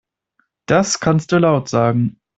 Das kannst du laut sagen.